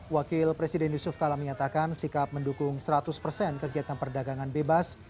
wakil presiden yusuf kala menyatakan sikap mendukung seratus persen kegiatan perdagangan bebas